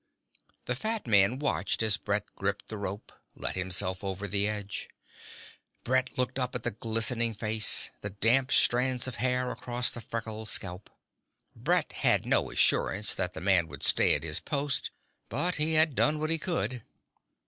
The fat man watched as Brett gripped the rope, let himself over the edge. Brett looked up at the glistening face, the damp strands of hair across the freckled scalp. Brett had no assurance that the man would stay at his post, but he had done what he could.